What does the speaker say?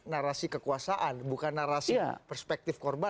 narasi kekuasaan bukan narasi perspektif korban